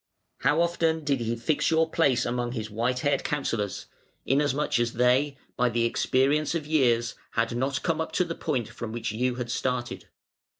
How often did he fix your place among his white haired counsellors; inasmuch as they, by the experience of years, had not come up to the point from which you had started!